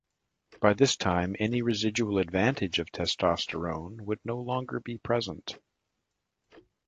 By this time any residual "advantage" of testosterone would no longer be present.